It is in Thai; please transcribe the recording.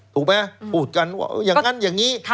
ถูกไหมพูดกันว่าอย่างนั้นอย่างนี้